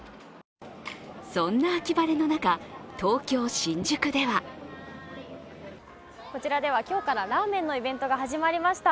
そんな秋晴れの中、東京・新宿ではこちらでは今日からラーメンのイベントが始まりました。